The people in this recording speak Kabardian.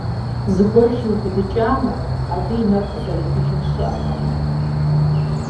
Зыгуэр хиубыдыкӀамэ, абы и нэфӀ къызэрихьыжын щыӀэтэкъым.